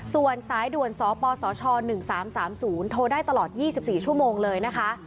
ส่วนสายด่วนสปสช๑๓๓๐โทรได้ตลอด๒๔ชั่วโมงเลยนะคะ